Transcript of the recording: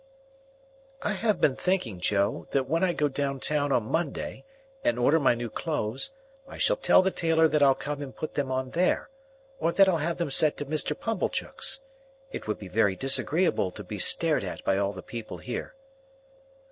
"I have been thinking, Joe, that when I go down town on Monday, and order my new clothes, I shall tell the tailor that I'll come and put them on there, or that I'll have them sent to Mr. Pumblechook's. It would be very disagreeable to be stared at by all the people here."